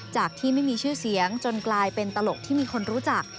จากที่ไม่มีชื่อเสียงจนกลายเป็นตลกที่มีคนรู้จัก